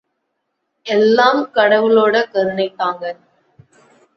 எல்லாம் கடவுளோட கருணைதாங்க!